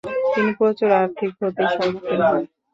তিনি প্রচুর আর্থিক ক্ষতির সম্মুখীন হন।